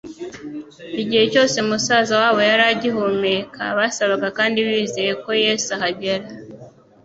Igihe cyose musaza wabo yari agihumeka, basabaga kandi bizeye ko Yesu ahagera.